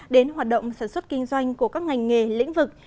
đến hoạt động sản xuất kinh doanh của các ngành nghề lĩnh vực